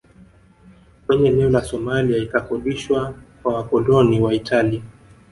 Kwenye eneo la Somalia ikakodishwa kwa wakoloni wa Italia